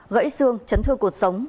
gãy xương chấn thương cuộc sống